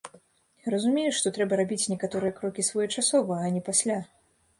Разумею, што трэба рабіць некаторыя крокі своечасова, а не пасля.